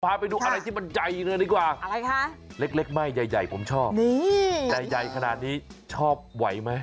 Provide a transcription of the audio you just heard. พาไปดูอะไรที่มันใหญ่เลยดีกว่าอะไรคะเล็กไม่ใหญ่ผมชอบนี่ใจใหญ่ขนาดนี้ชอบไหวไหม